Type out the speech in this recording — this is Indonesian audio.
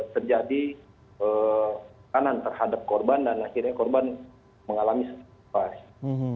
terjadi kanan terhadap korban dan akhirnya korban mengalami